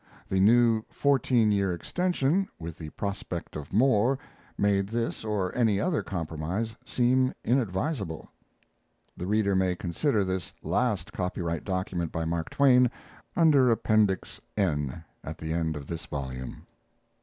The new fourteen year extension, with the prospect of more, made this or any other compromise seem inadvisable. [The reader may consider this last copyright document by Mark Twain under Appendix N, at the end of this volume.